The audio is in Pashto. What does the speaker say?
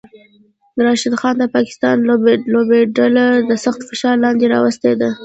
راشد خان د پاکستان لوبډله د سخت فشار لاندې راوستی ده